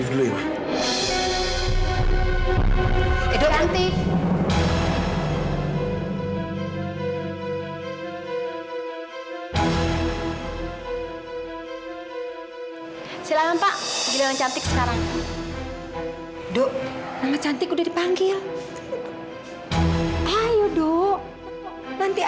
kalo kamu jadi cantik jangan kembali